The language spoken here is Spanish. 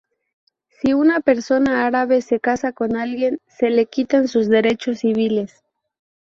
Si una persona árabe se casa con alguien, se le quitan sus derechos civiles.